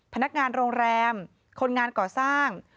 พนักงานโรงแรมคนงานก่อสร้าง